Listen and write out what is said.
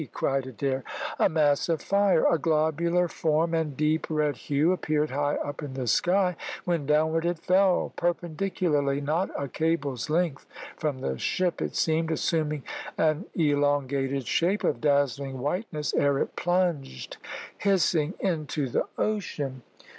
cried Adair. A mass of fire, of a globular form and deep red hue, appeared high up in the sky, when downward it fell, perpendicularly, not a cable's length from the ship, it seemed, assuming an elongated shape of dazzling whiteness ere it plunged, hissing, into the ocean.